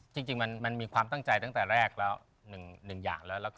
จริงมันมีความตั้งใจตั้งแต่แรกแล้ว๑อย่างแล้ว